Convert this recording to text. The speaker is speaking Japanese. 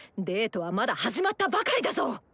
デートはまだ始まったばかりだぞ！